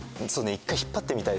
一回引っ張ってみたい。